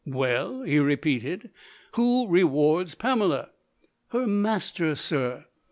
"Well," he repeated, "who rewards Pamela?" "Her master, sir."